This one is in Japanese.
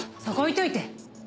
そこ置いといて。